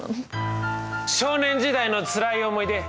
少年時代のつらい思い出